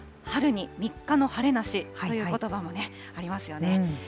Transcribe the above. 春に三日の晴れなしということばもね、ありますよね。